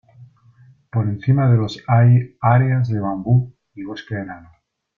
Por encima de los hay áreas de bambú y bosque enano.